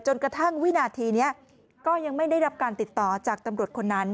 กระทั่งวินาทีนี้ก็ยังไม่ได้รับการติดต่อจากตำรวจคนนั้น